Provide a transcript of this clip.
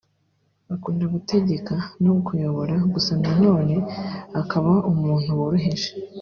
akunda gutegeka no kuyobora gusa nanone akaba umuntu woroheje